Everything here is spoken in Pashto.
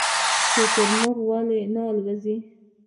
شترمرغ ولې نه الوځي؟